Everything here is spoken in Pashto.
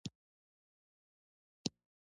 هغه همدا غیر عقلاني سیاستونه دي.